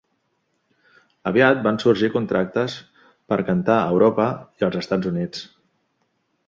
Aviat van sorgir contractes per a cantar a Europa i els Estats Units.